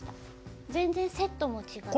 全然セットも違って。